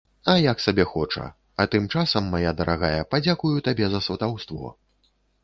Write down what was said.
А як сабе хоча, а тым часам, мая дарагая, падзякую табе за сватаўство.